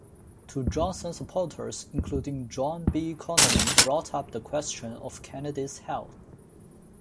Two Johnson supporters, including John B. Connally, brought up the question of Kennedy's health.